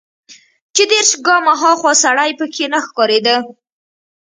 چې دېرش ګامه ها خوا سړى پکښې نه ښکارېده.